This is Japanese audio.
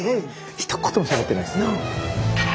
ひと言もしゃべってないです。